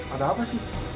ada apa sih